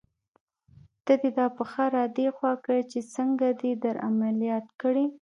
ته دې دا پښه را دې خوا کړه چې څنګه دې در عملیات کړې.